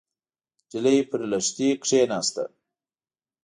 نجلۍ پر لښتي کېناسته.